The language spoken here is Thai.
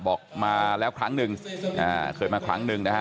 บอกมาแล้วครั้งหนึ่งเคยมาครั้งหนึ่งนะฮะ